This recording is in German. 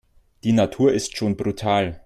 Die Natur ist schon brutal.